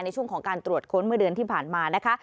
ในช่วงของการตรวจค้นเมื่อเดือนที่ผ่านมานะคะ